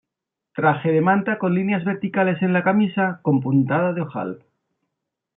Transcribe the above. Traje de manta con líneas verticales en la camisa con puntada de ojal.